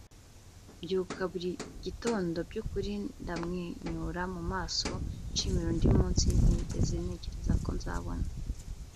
mbyuka buri gitondo byukuri ndamwenyura mu maso, nshimira undi munsi ntigeze ntekereza ko nzabona